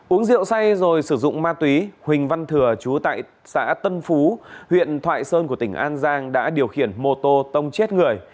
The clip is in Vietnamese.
uống rượu say rồi sử dụng ma túy huỳnh văn thừa chú tại xã tân phú huyện thoại sơn của tỉnh an giang đã điều khiển mô tô tông chết người